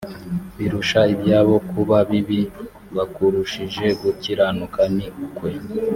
birusha ibyabo kuba bibi bakurushije gukiranuka ni ukwe